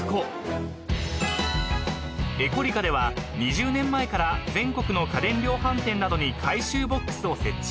［エコリカでは２０年前から全国の家電量販店などに回収ボックスを設置］